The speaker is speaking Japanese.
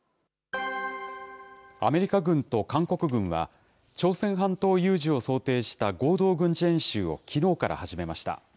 アメリカ軍と韓国軍は、朝鮮半島有事を想定した合同軍事演習をきのうから始めました。